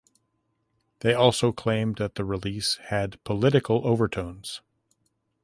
They also claimed that the release had political overtones.